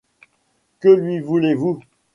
Que lui voulez-vous ?